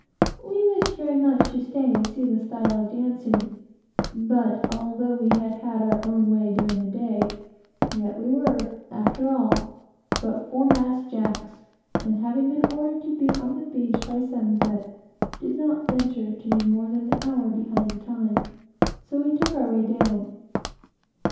We wished very much to stay and see the style of dancing; but, although we had had our own way during the day, yet we were, after all, but 'foremast Jacks; and having been ordered to be on the beach by sundown, did not venture to be more than an hour behind the time; so we took our way down.